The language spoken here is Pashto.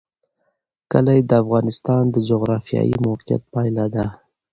کلي د افغانستان د جغرافیایي موقیعت پایله ده.